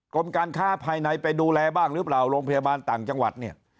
กรมการค้าภายในไปดูแลบ้างหรือเปล่าโรงพยาบาลต่างจังหวัดเนี่ย